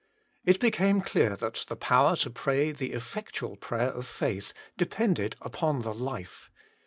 It became clear that the power to pray the effectual prayer of faith depended upon the life.